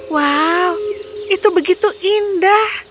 wow itu begitu indah